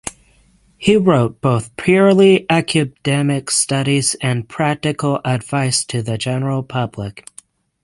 He wrote both purely academic studies and practical advice to the general public.